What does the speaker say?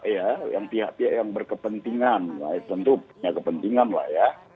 ya yang pihak pihak yang berkepentingan lah ya tentunya kepentingan lah ya